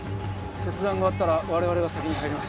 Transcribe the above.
切断が終わったら我々が先に入ります